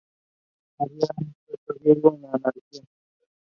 She teamed up with her daughter to defeat La Chola and La Rebelde.